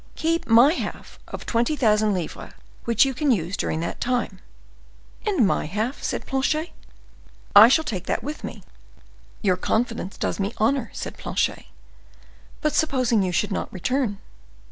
Keep my half of twenty thousand livres, which you can use during that time." "And my half?" said Planchet. "I shall take that with me." "Your confidence does me honor," said Planchet: "but supposing you should not return?"